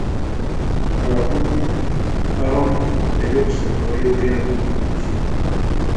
Abakugu abamu eby'okusoma ba byogerako bulungi.